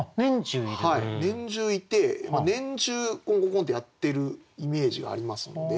はい年中いて年中コンコンコンッてやってるイメージがありますんで。